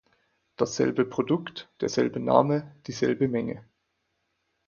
Dasselbe Produkt, derselbe Name, dieselbe Menge.